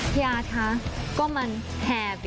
พี่อาร์ทคะก็มันแฮบิ